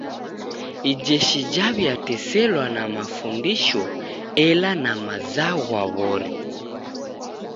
Ijeshi jaw'iateselwa na mafundisho ela na mazwagha w'ori.